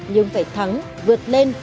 nhưng phải thắng vượt lên